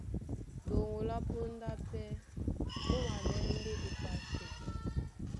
Ɗoŋgo lá póndá pɛ́ mú maɓɛ́ ndé epasi.